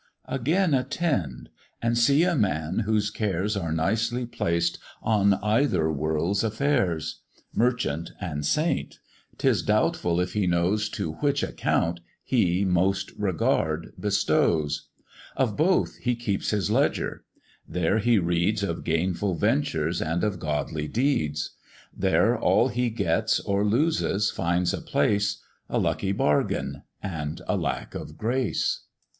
Again attend! and see a man whose cares Are nicely placed on either world's affairs, Merchant and saint; 'tis doubtful if he knows To which account he most regard bestows; Of both he keeps his ledger: there he reads Of gainful ventures and of godly deeds; There all he gets or loses find a place, A lucky bargain and a lack of grace.